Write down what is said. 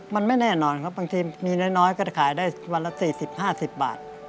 มันไม่แน่นอนครับบางทีมีน้อยก็จะขายได้วันละ๔๐๕๐บาท